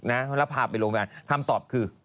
แล้วพาไปโรงพยาบาลคำตอบคือ